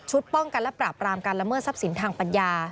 ป้องกันและปราบรามการละเมิดทรัพย์สินทางปัญญา